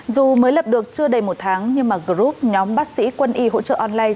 dù mới lập được chưa đầy một tháng nhưng mà group nhóm bác sĩ quân y hỗ trợ online